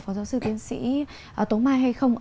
phó giáo sư tiến sĩ tố mai hay không